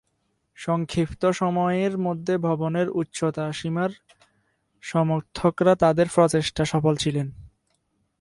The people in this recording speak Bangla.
সংক্ষিপ্ত সময়ের মধ্যে, ভবনের উচ্চতা সীমার সমর্থকরা তাদের প্রচেষ্টায় সফল ছিলেন।